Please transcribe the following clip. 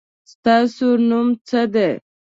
ستاسو نوم څه دی؟